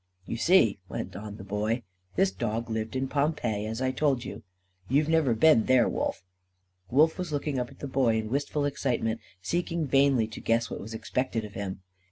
"You see," went on the Boy, "this dog lived in Pompeii, as I told you. You've never been there, Wolf." Wolf was looking up at the Boy in wistful excitement, seeking vainly to guess what was expected of him.